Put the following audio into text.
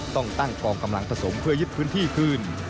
ต้องตั้งกองกำลังผสมเพื่อยึดพื้นที่คืน